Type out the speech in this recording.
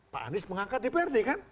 pak anies mengangkat dprd kan